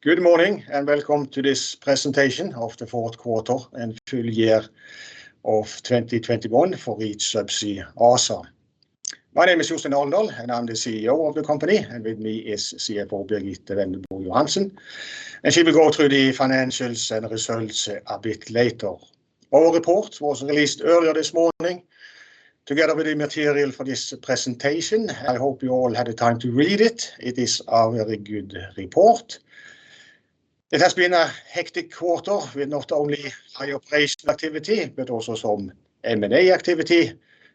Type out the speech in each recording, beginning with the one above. Good morning, and welcome to this presentation of the fourth quarter and full year of 2021 for Reach Subsea ASA. My name is Jostein Alendal, and I'm the CEO of the company, and with me is CFO Birgitte Wendelbo Johansen, and she will go through the financials and results a bit later. Our report was released earlier this morning together with the material for this presentation. I hope you all had the time to read it. It is a very good report. It has been a hectic quarter with not only high operation activity but also some M&A activity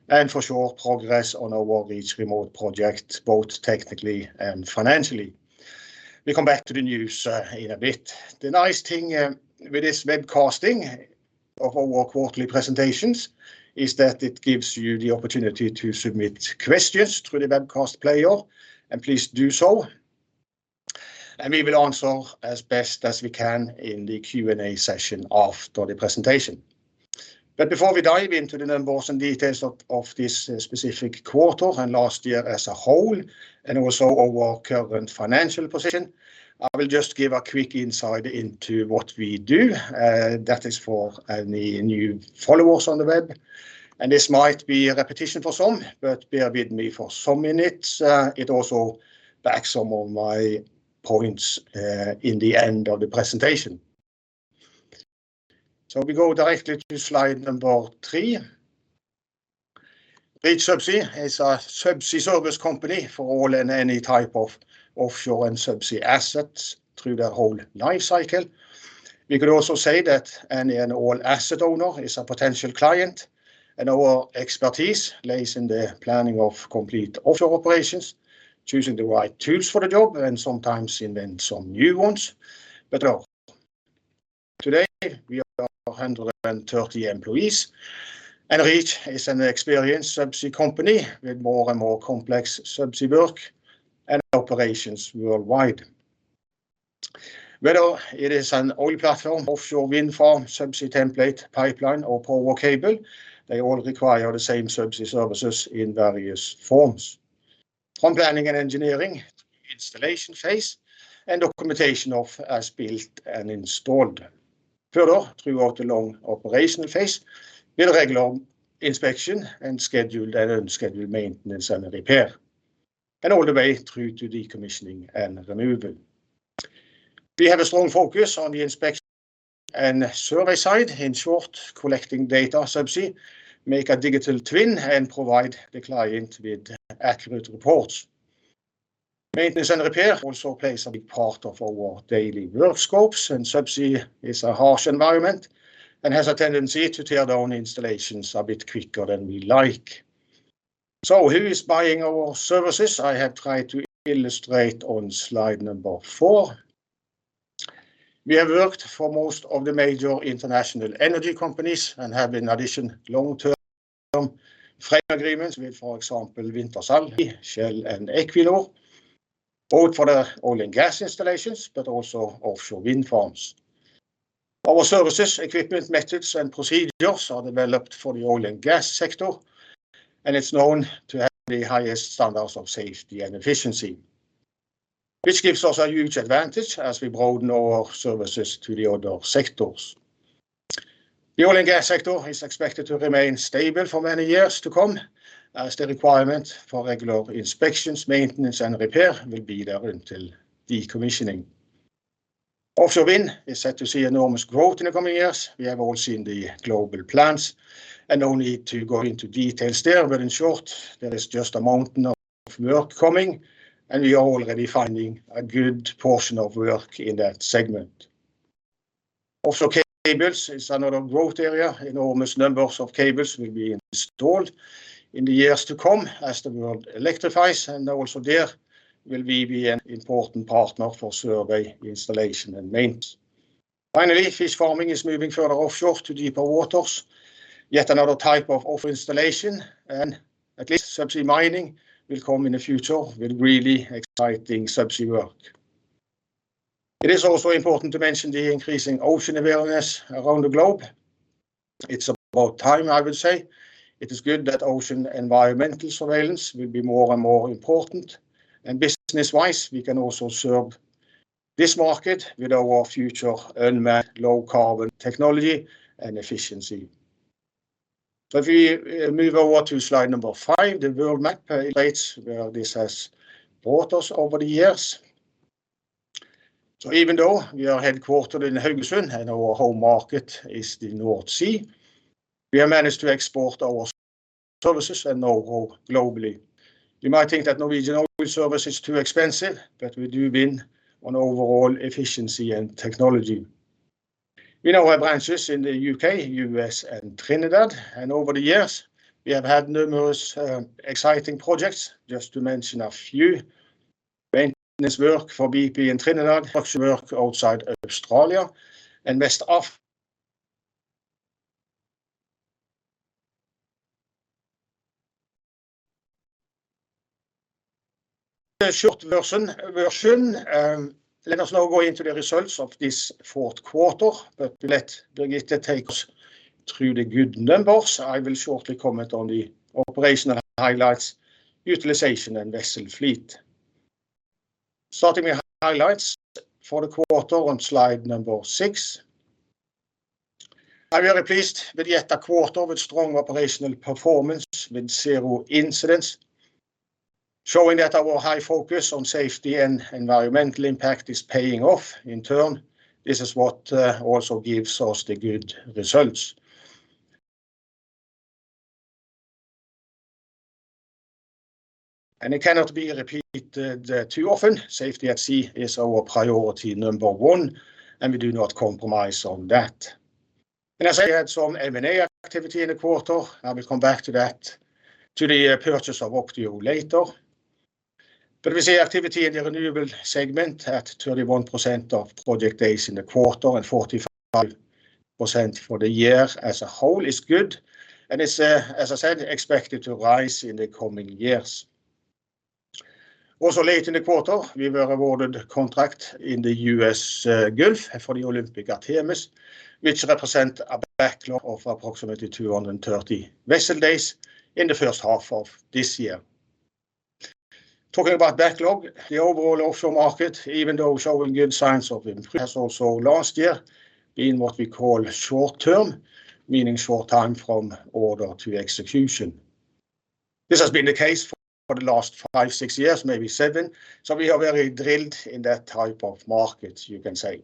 and for sure progress on our Reach Remote project, both technically and financially. We come back to the news in a bit. The nice thing with this webcasting of our quarterly presentations is that it gives you the opportunity to submit questions through the webcast player, and please do so, and we will answer as best as we can in the Q&A session after the presentation. But before we dive into the numbers and details of this specific quarter and last year as a whole and also our current financial position, I will just give a quick insight into what we do. That is for any new followers on the web, and this might be a repetition for some, but bear with me for some minutes. It also backs some of my points in the end of the presentation. We go directly to slide number three. Reach Subsea is a subsea service company for all and any type of offshore and subsea assets through their whole life cycle. We could also say that any and all asset owner is a potential client, and our expertise lays in the planning of complete offshore operations, choosing the right tools for the job, and sometimes invent some new ones. Today we are 130 employees, and Reach is an experienced subsea company with more and more complex subsea work and operations worldwide. Whether it is an oil platform, offshore wind farm, subsea template, pipeline, or power cable, they all require the same subsea services in various forms from planning and engineering to installation phase and documentation of as built and installed. Further, throughout the long operational phase with regular inspection and scheduled and unscheduled maintenance and repair and all the way through to decommissioning and removal. We have a strong focus on the inspection and survey side, in short, collecting data subsea, make a digital twin, and provide the client with accurate reports. Maintenance and repair also plays a big part of our daily work scopes, and subsea is a harsh environment and has a tendency to tear down installations a bit quicker than we like. Who is buying our services? I have tried to illustrate on slide number four. We have worked for most of the major international energy companies and have in addition long-term frame agreements with, for example, Wintershall, Shell, and Equinor, both for their oil and gas installations but also offshore wind farms. Our services, equipment, methods, and procedures are developed for the oil and gas sector, and it's known to have the highest standards of safety and efficiency, which gives us a huge advantage as we broaden our services to the other sectors. The oil and gas sector is expected to remain stable for many years to come, as the requirement for regular inspections, maintenance, and repair will be there until decommissioning. Offshore wind is set to see enormous growth in the coming years. We have all seen the global plans, and no need to go into details there. In short, there is just a mountain of work coming, and we are already finding a good portion of work in that segment. Offshore cables is another growth area. Enormous numbers of cables will be installed in the years to come as the world electrifies, and also there will we be an important partner for survey, installation, and maintenance. Finally, fish farming is moving further offshore to deeper waters, yet another type of offshore installation, and at least subsea mining will come in the future with really exciting subsea work. It is also important to mention the increasing ocean awareness around the globe. It's about time, I would say. It is good that ocean environmental surveillance will be more and more important, and business-wise, we can also serve this market with our future unmanned low-carbon technology and efficiency. If you move over to slide number five, the world map illustrates where this has brought us over the years. Even though we are headquartered in Haugesund and our home market is the North Sea, we have managed to export our services and know-how globally. You might think that Norwegian oil service is too expensive, but we do win on overall efficiency and technology. We now have branches in the U.K., U.S., and Trinidad, and over the years, we have had numerous exciting projects, just to mention a few, maintenance work for BP in Trinidad, work outside Australia, and the short version. Let us now go into the results of this fourth quarter, but we let Birgitte take us through the good numbers. I will shortly comment on the operational highlights, utilization, and vessel fleet. Starting with highlights for the quarter on slide number six. I'm very pleased with yet a quarter with strong operational performance with zero incidents, showing that our high focus on safety and environmental impact is paying off in turn. This is what also gives us the good results. It cannot be repeated too often, safety at sea is our priority number one, and we do not compromise on that. As I said, some M&A activity in the quarter, I will come back to that, to the purchase of OCTIO later. We see activity in the renewable segment at 31% of project days in the quarter and 45% for the year as a whole is good, and it's, as I said, expected to rise in the coming years. Also late in the quarter, we were awarded a contract in the U.S. Gulf for the Olympic Artemis, which represent a backlog of approximately 230 vessel days in the first half of this year. Talking about backlog, the overall offshore market, even though showing good signs of improvement, has also last year been what we call short-term, meaning short time from order to execution. This has been the case for the last five, six years, maybe seven, so we are very drilled in that type of market you can say.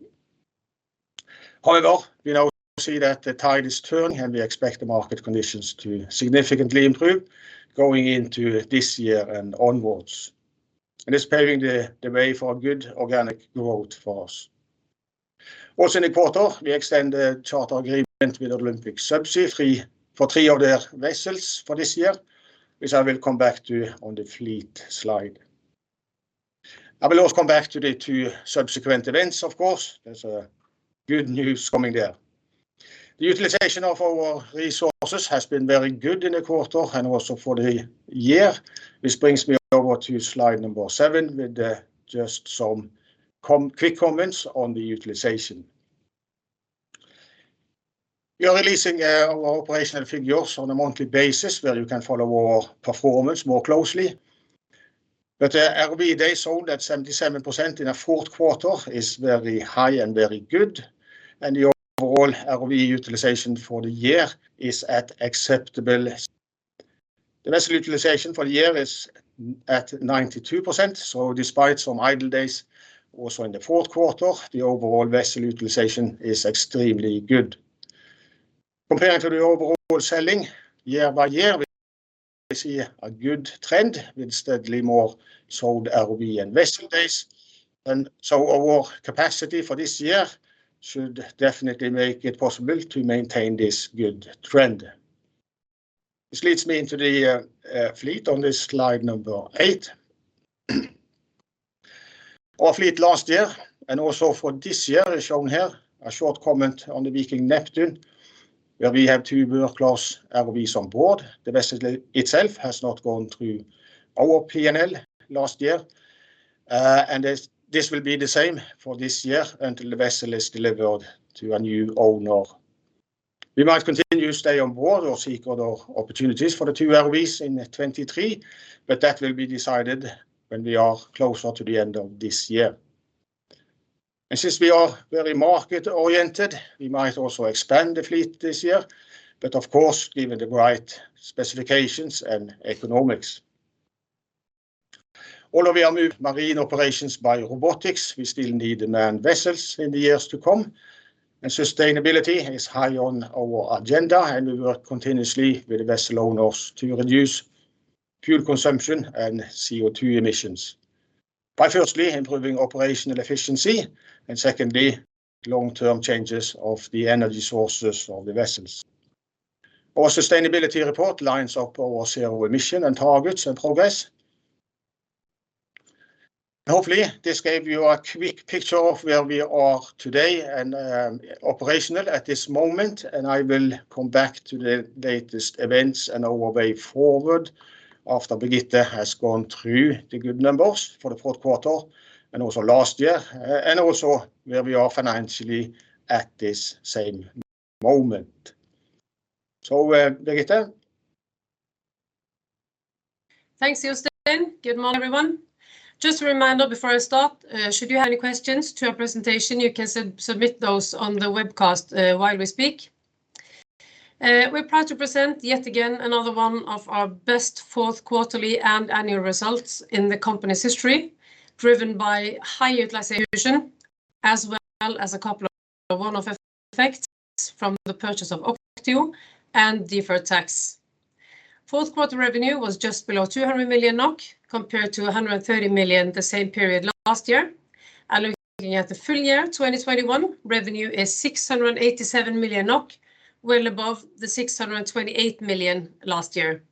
However, we now see that the tide is turning, and we expect the market conditions to significantly improve going into this year and onwards, and it's paving the way for good organic growth for us. Also in the quarter we extend the charter agreement with Olympic Subsea for three of their vessels for this year, which I will come back to on the fleet slide. I will also come back to the two subsequent events, of course. There's good news coming there. The utilization of our resources has been very good in the quarter and also for the year, which brings me over to slide number seven with just some quick comments on the utilization. We are releasing our operational figures on a monthly basis where you can follow our performance more closely. ROV days sold at 77% in a fourth quarter is very high and very good, and the overall ROV utilization for the year is at acceptable. The vessel utilization for the year is at 92%, so despite some idle days also in the fourth quarter, the overall vessel utilization is extremely good. Comparing to the overall selling year by year, we see a good trend with steadily more sold ROV and vessel days. Our capacity for this year should definitely make it possible to maintain this good trend. This leads me into the fleet on this slide number eight. Our fleet last year and also for this year is shown here. A short comment on the, where we have two work-class ROVs on board. The vessel itself has not gone through our P&L last year. This will be the same for this year until the vessel is delivered to a new owner. We might continue to stay on board or seek other opportunities for the two ROVs in 2023, but that will be decided when we are closer to the end of this year. Since we are very market-oriented, we might also expand the fleet this year, but of course, given the right specifications and economics. Although we are moving marine operations by robotics, we still need manned vessels in the years to come, and sustainability is high on our agenda, and we work continuously with the vessel owners to reduce fuel consumption and CO2 emissions by firstly improving operational efficiency and secondly long-term changes of the energy sources of the vessels. Our sustainability report lines up our zero-emission targets and progress. Hopefully, this gave you a quick picture of where we are today and operational at this moment, and I will come back to the latest events and our way forward after Birgitte has gone through the good numbers for the fourth quarter and also last year and also where we are financially at this same moment. Birgitte? Thanks, Jostein. Good morning, everyone. Just a reminder before I start, should you have any questions to our presentation, you can submit those on the webcast while we speak. We're proud to present yet again another one of our best fourth quarterly and annual results in the company's history, driven by high utilization as well as a couple of one-off effects from the purchase of OCTIO and deferred tax. Fourth quarter revenue was just below 200 million NOK compared to 130 million the same period last year. Looking at the full year 2021, revenue is 687 million NOK, well above the 628 million last year.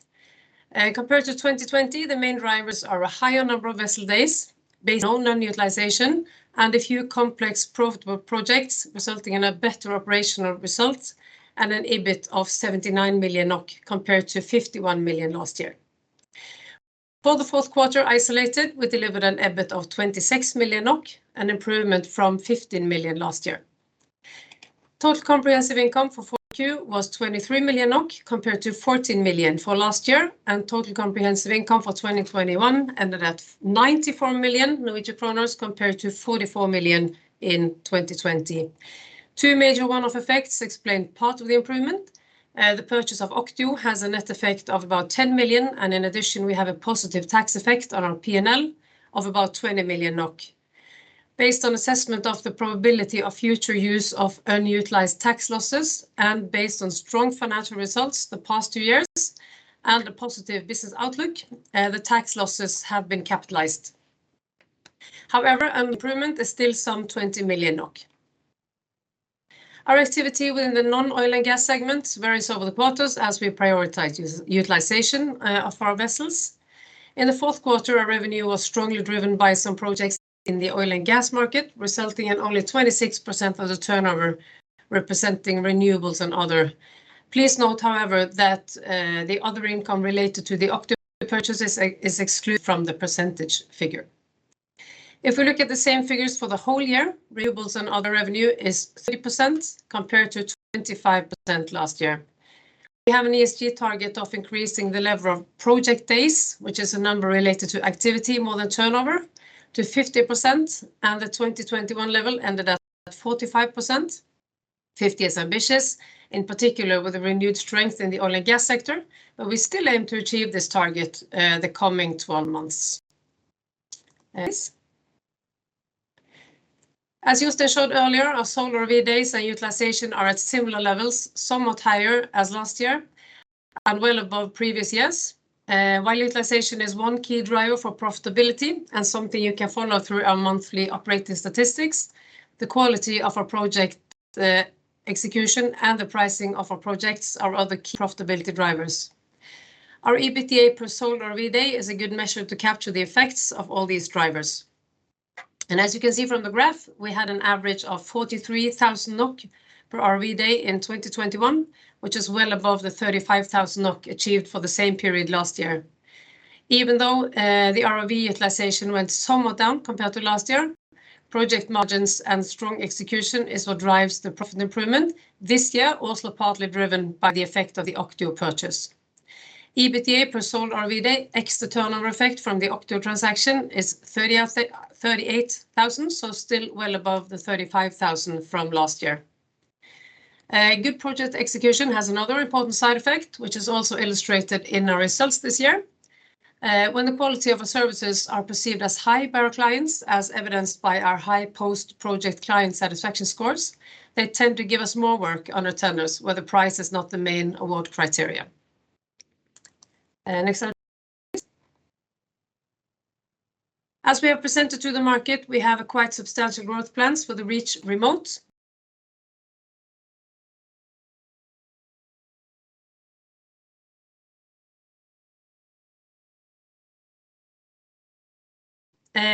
Compared to 2020, the main drivers are a higher number of vessel days based on utilization and a few complex profitable projects, resulting in a better operational result and an EBIT of 79 million NOK compared to 51 million last year. For the fourth quarter isolated, we delivered an EBIT of 26 million NOK, an improvement from 15 million last year. Total comprehensive income for Q4 was 23 million NOK compared to 14 million for last year, and total comprehensive income for 2021 ended at 94 million Norwegian kroner compared to 44 million in 2020. Two major one-off effects explain part of the improvement. The purchase of OCTIO has a net effect of about 10 million, and in addition, we have a positive tax effect on our P&L of about 20 million NOK. Based on assessment of the probability of future use of unutilized tax losses and based on strong financial results the past two years and a positive business outlook, the tax losses have been capitalized. However, an impairment is still some 20 million NOK. Our activity within the non-oil and gas segment varies over the quarters as we prioritize utilization of our vessels. In the fourth quarter, our revenue was strongly driven by some projects in the oil and gas market, resulting in only 26% of the turnover representing renewables and other. Please note, however, that the other income related to the OCTIO purchases is excluded from the percentage figure. If we look at the same figures for the whole year, renewables and other revenue is 30% compared to 25% last year. We have an ESG target of increasing the level of project days, which is a number related to activity more than turnover, to 50%, and the 2021 level ended at 45%. 50% is ambitious, in particular with the renewed strength in the oil and gas sector, but we still aim to achieve this target, the coming 12 months. Next. As Jostein showed earlier, our sold ROV days and utilization are at similar levels, somewhat higher than last year and well above previous years. While utilization is one key driver for profitability and something you can follow through our monthly operating statistics, the quality of our project execution and the pricing of our projects are other key profitability drivers. Our EBITDA per sold ROV day is a good measure to capture the effects of all these drivers. As you can see from the graph, we had an average of 43 thousand NOK per ROV day in 2021, which is well above the 35 thousand NOK achieved for the same period last year. Even though the ROV utilization went somewhat down compared to last year, project margins and strong execution is what drives the profit improvement this year, also partly driven by the effect of the OCTIO purchase. EBITDA per sold ROV day ex the turnover effect from the OCTIO transaction is 38 thousand, so still well above the 35 thousand from last year. Good project execution has another important side effect, which is also illustrated in our results this year. When the quality of our services are perceived as high by our clients, as evidenced by our high post-project client satisfaction scores, they tend to give us more work on our tenders where the price is not the main award criteria. Next slide please. As we have presented to the market, we have quite substantial growth plans for the Reach Remote.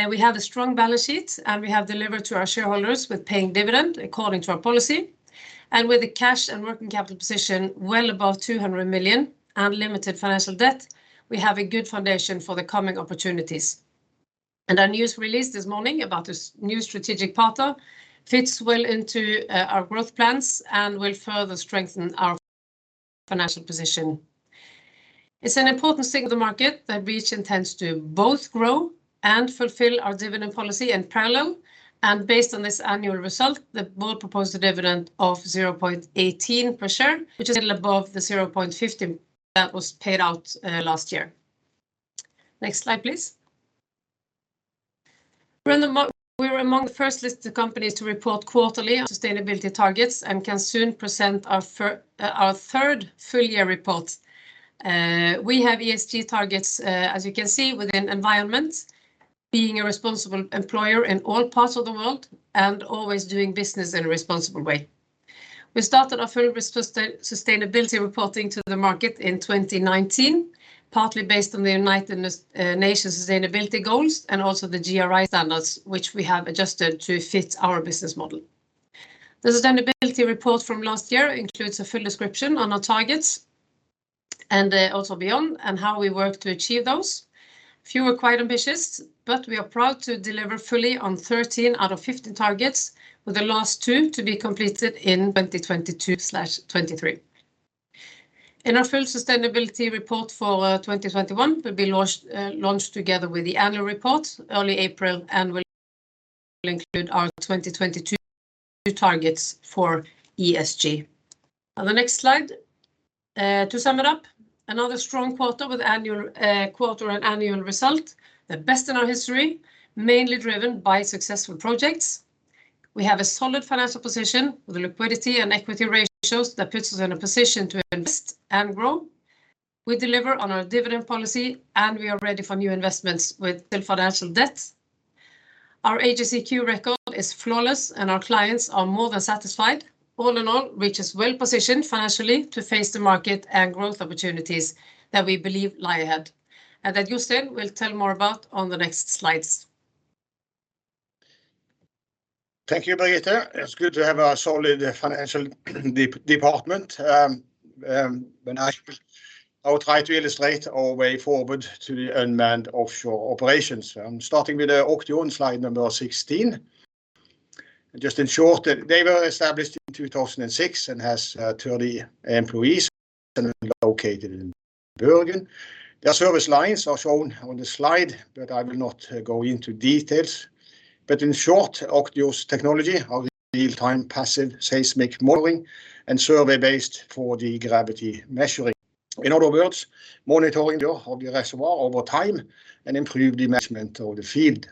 We have a strong balance sheet, and we have delivered to our shareholders with paying dividend according to our policy. With the cash and working capital position well above 200 million and limited financial debt, we have a good foundation for the coming opportunities. Our news release this morning about this new strategic partner fits well into our growth plans and will further strengthen our financial position. It's an important signal to the market that Reach intends to both grow and fulfill our dividend policy in parallel. Based on this annual result, the board proposed a dividend of 0.18 per share, which is above the 0.50 that was paid out last year. Next slide, please. We're among the first listed companies to report quarterly on sustainability targets and can soon present our third full year report. We have ESG targets, as you can see within environment, being a responsible employer in all parts of the world, and always doing business in a responsible way. We started our full sustainability reporting to the market in 2019, partly based on the United Nations sustainability goals and also the GRI standards, which we have adjusted to fit our business model. The sustainability report from last year includes a full description on our targets and also beyond and how we work to achieve those. They are quite ambitious, but we are proud to deliver fully on 13 out of 15 targets, with the last two to be completed in 2022/2023. Our full sustainability report for 2021 will be launched together with the annual report early April and will include our 2022 targets for ESG. The next slide. To sum it up, another strong quarter with quarterly and annual results, the best in our history, mainly driven by successful projects. We have a solid financial position with liquidity and equity ratios that puts us in a position to invest and grow. We deliver on our dividend policy, and we are ready for new investments with little financial debt. Our HSEQ record is flawless, and our clients are more than satisfied. All in all, Reach is well positioned financially to face the market and growth opportunities that we believe lie ahead, and that Jostein will tell more about on the next slides. Thank you, Birgitte. It's good to have a solid financial department. I will try to illustrate our way forward to the unmanned offshore operations. I'm starting with OCTIO on slide number 16. Just in short, they were established in 2006 and has 30 employees located in Bergen. Their service lines are shown on the slide, but I will not go into details. In short, OCTIO's technology are real-time passive seismic modeling and survey-based seafloor gravity measuring. In other words, monitoring of the reservoir over time and improve the management of the field.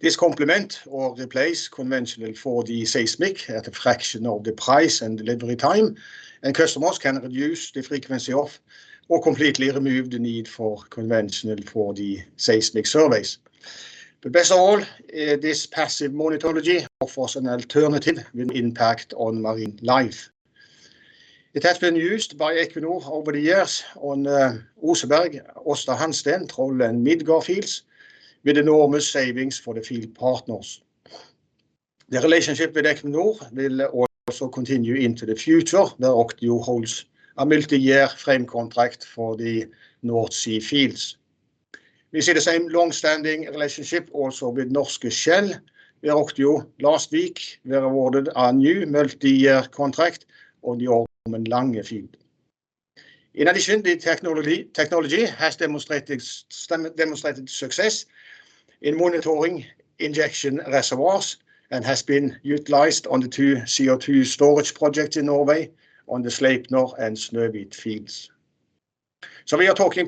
This complement or replace conventional 4D seismic at a fraction of the price and delivery time, and customers can reduce the frequency of or completely remove the need for conventional 4D seismic surveys. Best of all, this passive methodology offers an alternative with impact on marine life. It has been used by over the years on Oseberg, Aasta Hansteen, Troll, and Midgard fields with enormous savings for the field partners. The relationship with Equinor will also continue into the future, where OCTIO holds a multi-year frame contract for the North Sea fields. We see the same long-standing relationship also with Norske Shell, where OCTIO last week were awarded a new multi-year contract on the Aasta Hansteen field. In addition, the technology has demonstrated success in monitoring injection reservoirs and has been utilized on the two CO2 storage projects in Norway on the Sleipner and Snøhvit fields. We are talking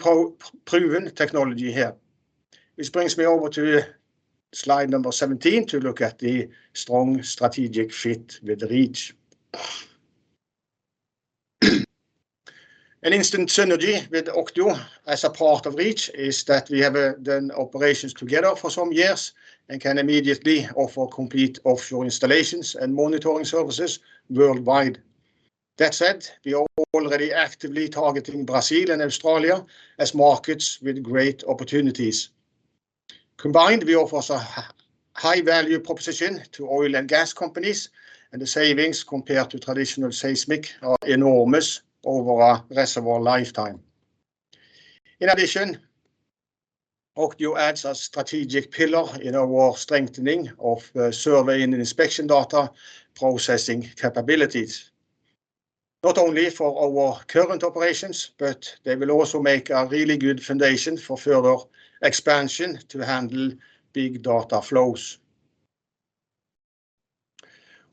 proven technology here, which brings me over to slide number 17 to look at the strong strategic fit with the Reach. An instant synergy with OCTIO as a part of Reach is that we have done operations together for some years and can immediately offer complete offshore installations and monitoring services worldwide. That said, we are already actively targeting Brazil and Australia as markets with great opportunities. Combined, we offer a high value proposition to oil and gas companies, and the savings compared to traditional seismic are enormous over a reservoir lifetime. In addition, OCTIO adds a strategic pillar in our strengthening of the survey and inspection data processing capabilities, not only for our current operations, but they will also make a really good foundation for further expansion to handle big data flows.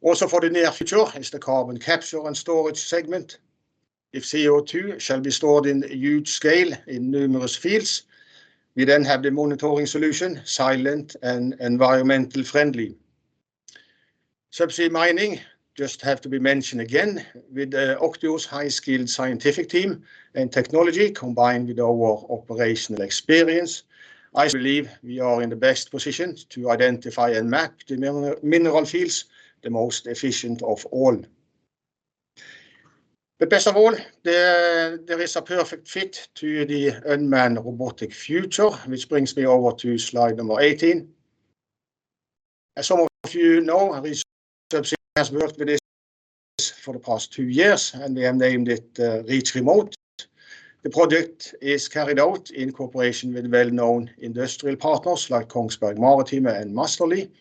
Also, for the near future is the carbon capture and storage segment. If CO2 shall be stored in huge scale in numerous fields, we then have the monitoring solution, silent and environmental friendly. Subsea mining just have to be mentioned again with OCTIO's high-skilled scientific team and technology combined with our operational experience. I believe we are in the best position to identify and map the mineral fields the most efficient of all. But best of all, there is a perfect fit to the unmanned robotic future, which brings me over to slide number 18. As some of you know, Reach Subsea has worked with this for the past two years, and we have named it Reach Remote. The project is carried out in cooperation with well-known industrial partners like Kongsberg Maritime and Massterly.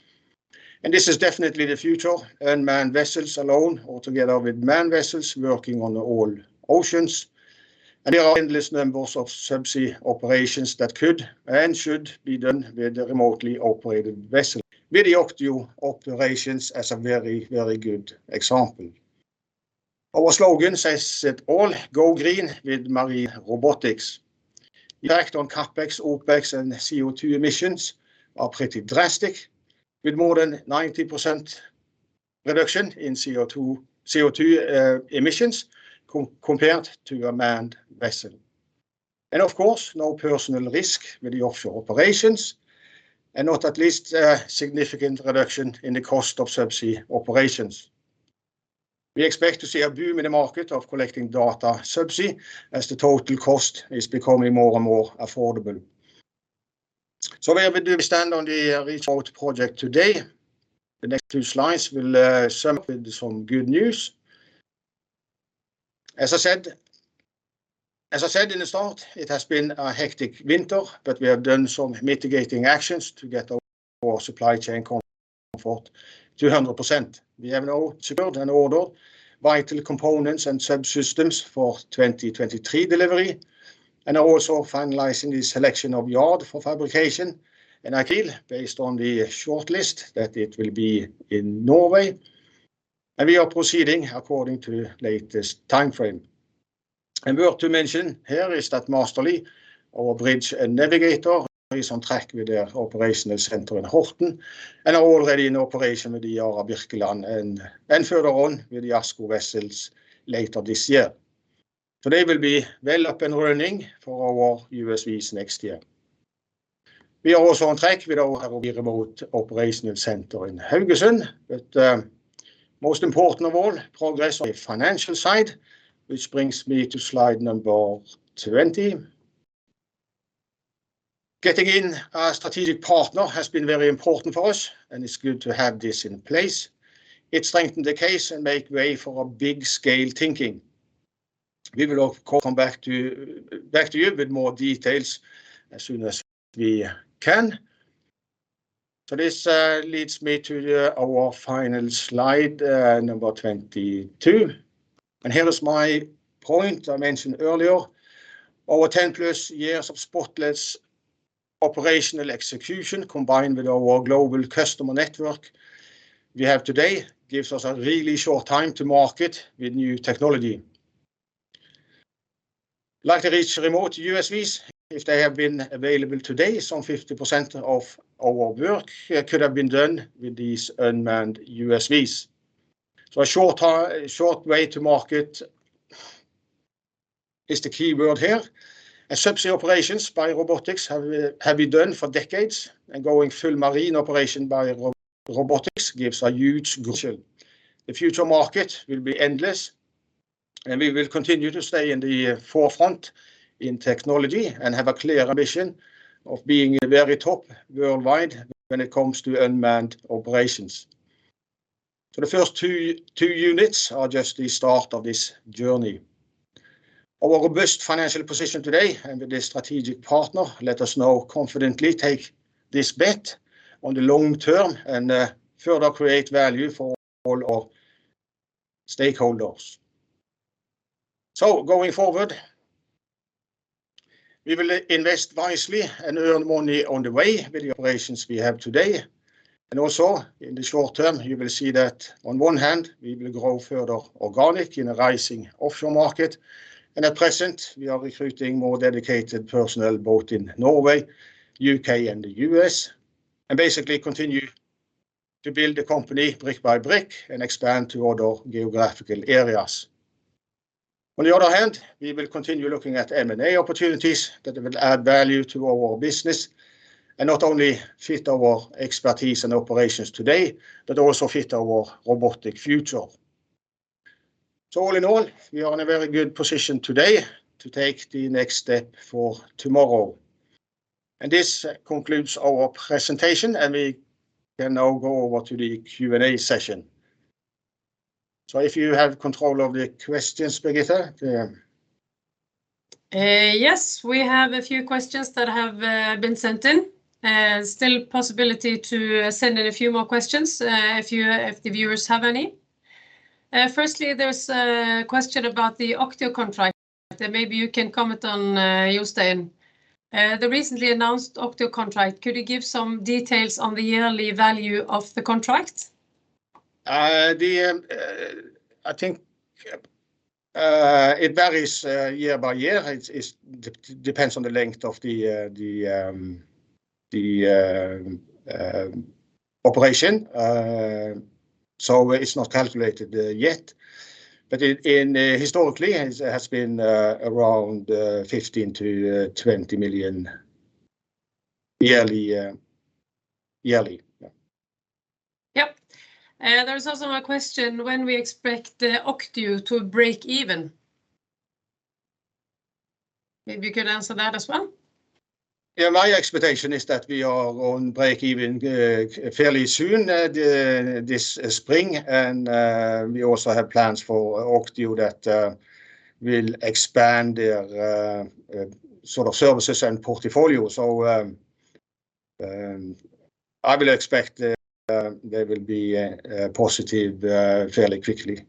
This is definitely the future unmanned vessels alone or together with manned vessels working on the all oceans. There are endless numbers of subsea operations that could and should be done with the remotely operated vessel with the OCTIO operations as a very, very good example. Our slogan says it all, "Go green with marine robotics." The effect on CapEx, OpEx and CO2 emissions are pretty drastic, with more than 90% reduction in CO2 emissions compared to a manned vessel. Of course, no personal risk with the offshore operations, and not at least a significant reduction in the cost of subsea operations. We expect to see a boom in the market of collecting data subsea as the total cost is becoming more and more affordable. Where do we stand on the Reach Remote project today? The next two slides will sum up with some good news. As I said at the start, it has been a hectic winter, but we have done some mitigating actions to get our supply chain up to 100%. We have now secured an order for vital components and subsystems for 2023 delivery, and are also finalizing the selection of yard for fabrication. I feel, based on the shortlist, that it will be in Norway, and we are proceeding according to latest timeframe. Worth mentioning here is that Massterly, our bridge and navigator is on track with their operational center in Horten and are already in operation with the Yara Birkeland and further on with the ASKO vessels later this year. They will be well up and running for our USVs next year. We are also on track with our Reach Remote operational center in Haugesund. Most important of all, progress on the financial side, which brings me to slide number 20. Getting in a strategic partner has been very important for us and it's good to have this in place. It strengthened the case and make way for big scale thinking. We will of course come back to you with more details as soon as we can. This leads me to our final slide, number 22. Here is my point I mentioned earlier. Our 10-plus years of spotless operational execution combined with our global customer network we have today gives us a really short time to market with new technology. Like the Reach Remote USVs if they have been available today, some 50% of our work here could have been done with these unmanned USVs. A short way to market is the key word here. Subsea operations by robotics have been done for decades, and going full marine operation by robotics gives a huge potential. The future market will be endless, and we will continue to stay in the forefront in technology and have a clear ambition of being the very top worldwide when it comes to unmanned operations. The first two units are just the start of this journey. Our robust financial position today and with this strategic partner let us now confidently take this bet on the long term and further create value for all our stakeholders. Going forward, we will invest wisely and earn money on the way with the operations we have today. Also in the short term, you will see that on one hand we will grow further organic in a rising offshore market. At present we are recruiting more dedicated personnel both in Norway, U.K., and the U.S., and basically continue to build the company brick by brick and expand to other geographical areas. On the other hand, we will continue looking at M&A opportunities that will add value to our business and not only fit our expertise and operations today, but also fit our robotic future. All in all, we are in a very good position today to take the next step for tomorrow. This concludes our presentation and we can now go over to the Q&A session. If you have control of the questions, Birgitte? Yes. We have a few questions that have been sent in, still possibility to send in a few more questions, if the viewers have any. Firstly, there's a question about the OCTIO contract, and maybe you can comment on, Jostein. The recently announced OCTIO contract, could you give some details on the yearly value of the contract? I think it varies year by year. It depends on the length of the operation. It's not calculated yet, but historically it has been around 15 million-20 million yearly. Yeah. Yep. There was also a question when we expect OCTIO to break even. Maybe you could answer that as well. Yeah, my expectation is that we are on breakeven fairly soon, this spring. We also have plans for OCTIO that will expand their sort of services and portfolio. They will be positive fairly quickly.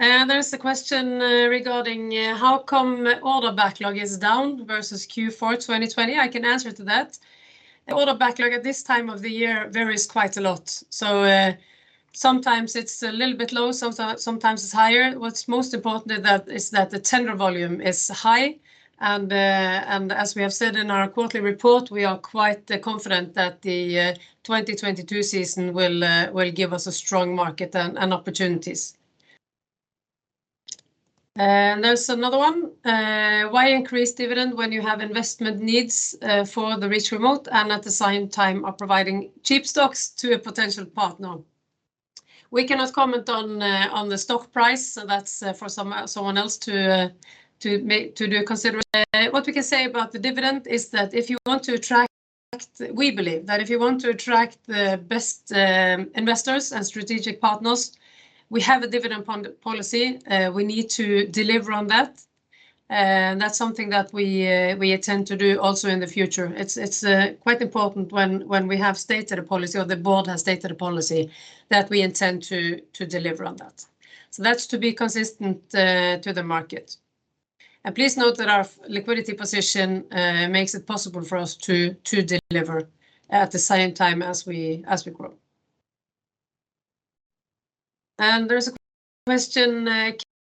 Yep. There's a question regarding how come order backlog is down versus Q4 2020? I can answer to that. The order backlog at this time of the year varies quite a lot. Sometimes it's a little bit low, sometimes it's higher. What's most important is that the tender volume is high and as we have said in our quarterly report, we are quite confident that the 2022 season will give us a strong market and opportunities. There's another one. Why increase dividend when you have investment needs for the Reach Remote and at the same time are providing cheap stocks to a potential partner? We cannot comment on the stock price. That's for someone else to do consideration. We believe that if you want to attract the best investors and strategic partners, we have a dividend policy, we need to deliver on that. That's something that we intend to do also in the future. It's quite important when we have stated a policy or the board has stated a policy that we intend to deliver on that. That's to be consistent to the market. Please note that our liquidity position makes it possible for us to deliver at the same time as we grow. There's a question,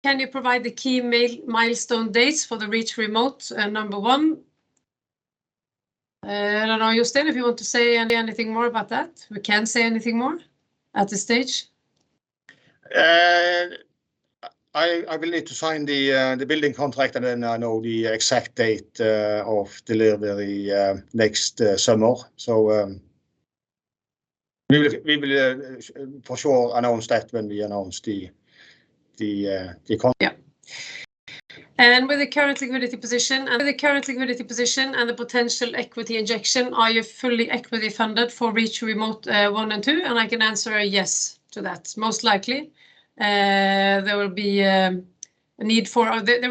can you provide the key milestone dates for the Reach Remote number one? I don't know, Jostein, if you want to say anything more about that? We can't say anything more at this stage? I will need to find the building contract, and then I know the exact date of delivery next summer. We will for sure announce that when we announce the con- With the current liquidity position and the potential equity injection, are you fully equity funded for Reach Remote 1 and 2? I can answer a yes to that. Most likely, there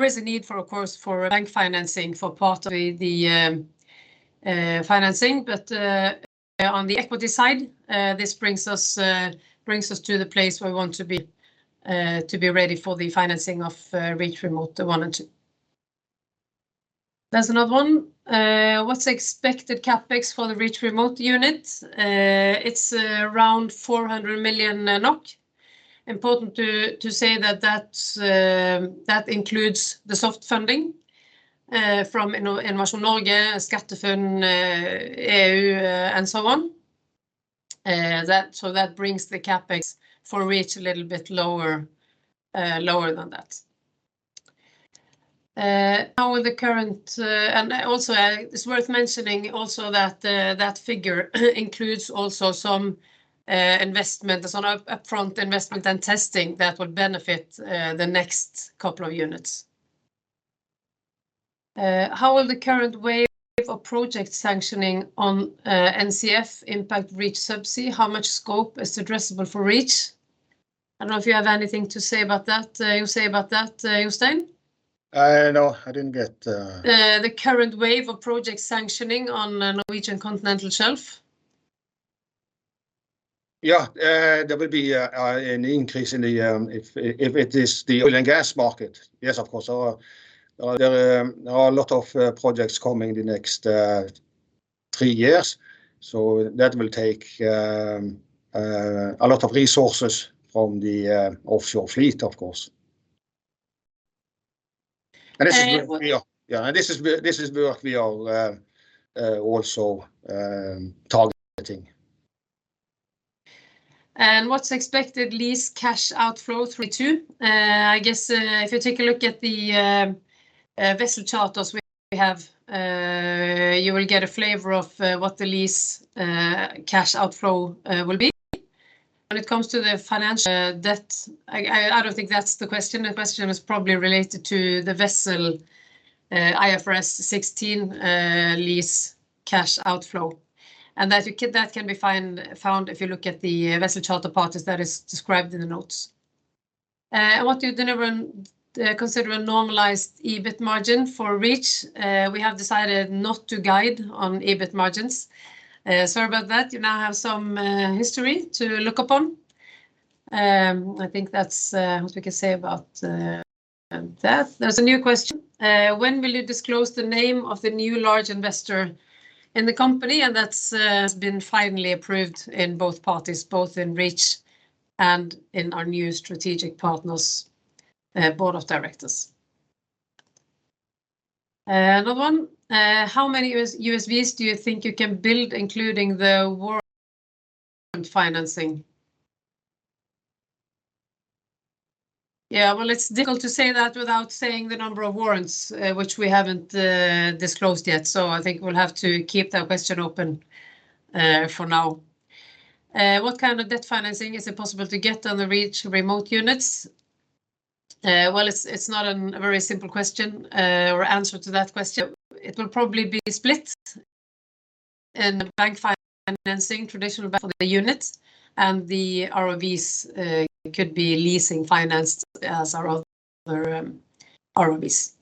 is a need for, of course, bank financing for part of the financing. On the equity side, this brings us to the place we want to be ready for the financing of Reach Remote 1 and 2. There's another one. What's the expected CapEx for the Reach Remote unit? It's around 400 million NOK. Important to say that includes the soft funding from, you know, Innovation Norway, SkatteFUNN, EU, and so on. That brings the CapEx for Reach a little bit lower than that. How will the current wave of project sanctioning on NCS impact Reach Subsea? How much scope is addressable for Reach? It's worth mentioning that that figure includes some investment. There's an upfront investment and testing that would benefit the next couple of units. I don't know if you have anything to say about that, Jostein. No, I didn't get. The current wave of project sanctioning on the Norwegian Continental Shelf. Yeah. There will be an increase if it is the oil and gas market, yes, of course. There are a lot of projects coming in the next three years, so that will take a lot of resources from the offshore fleet, of course. And. This is where we are also targeting. What's expected lease cash outflow 32? I guess if you take a look at the vessel charters we have, you will get a flavor of what the lease cash outflow will be. When it comes to the financial debt, I don't think that's the question. The question is probably related to the vessel IFRS 16 lease cash outflow, and that can be found if you look at the vessel charter parties that is described in the notes. What do you generally consider a normalized EBIT margin for Reach? We have decided not to guide on EBIT margins. Sorry about that. You now have some history to look upon. I think that's all we can say about that. There's a new question. When will you disclose the name of the new large investor in the company? That's been finally approved in both parties, both in Reach and in our new strategic partners board of directors. Another one. How many USVs do you think you can build, including the warrant financing? Well, it's difficult to say that without saying the number of warrants, which we haven't disclosed yet. I think we'll have to keep that question open for now. What kind of debt financing is it possible to get on the Reach Remote units? Well, it's not a very simple question or answer to that question. It will probably be split in bank financing, traditional bank for the units, and the ROVs could be leasing financed as our other ROVs.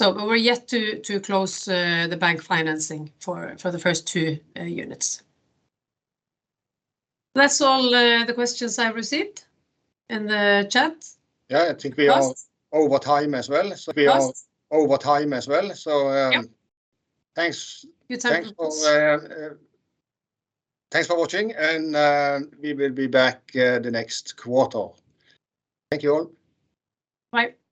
We're yet to close the bank financing for the first two units. That's all the questions I received in the chat. Yeah. I think we are. Plus. over time as well. Plus. We are over time as well. Yep Thanks. Good time for this. Thanks for watching, and we will be back the next quarter. Thank you all. Bye.